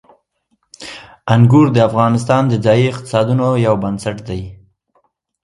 انګور د افغانستان د ځایي اقتصادونو یو بنسټ دی.